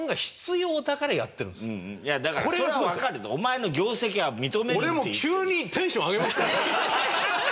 いやだからそれはわかるよお前の業績は認めるって。